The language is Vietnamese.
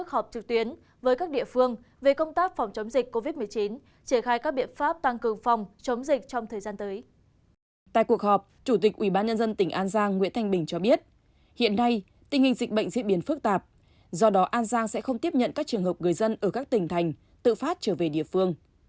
hiện nay tình hình dịch bệnh diễn biến phức tạp do đó an giang sẽ không tiếp nhận các trường hợp người dân ở các tỉnh thành tự phát trở về địa phương